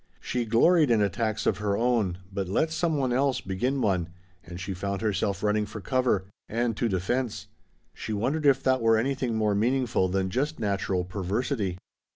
She gloried in attacks of her own, but let some one else begin one and she found herself running for cover and to defense. She wondered if that were anything more meaningful than just natural perversity.